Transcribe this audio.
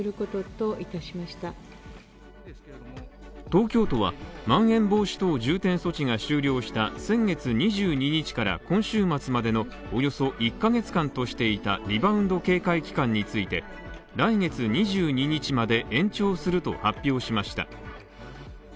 東京都はまん延防止等重点措置が終了した先月２２日から今週末までのおよそ１ヶ月間としていたリバウンド警戒期間について来月２２日まで延長すると発表しました。